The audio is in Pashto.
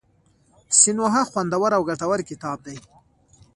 سینوهه خوندور او ګټور کتاب دی.